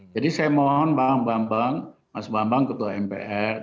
jadi saya mohon mas bambang ketua mpr